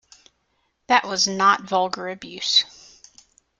That was not vulgar abuse.